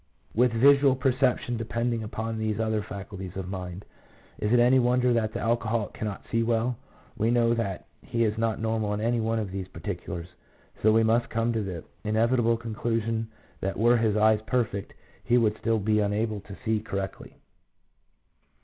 1 With visual per ception depending upon these other faculties of mind, is it any wonder that the alcoholic cannot see well ? We know that he is not normal, in any one of these particulars, so we must come to the inevitable con clusion that were his eyes perfect he would still be unable to see correctly.